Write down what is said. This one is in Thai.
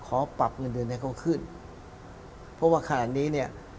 ขอปรับเงินเดือนให้เขาขึ้นเพราะว่าขนาดนี้เนี่ย